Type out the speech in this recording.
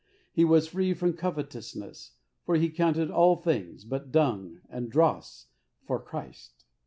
He was free from covet ousness, for he counted all things but dung and dross for Christ.